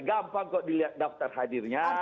gampang kok dilihat daftar hadirnya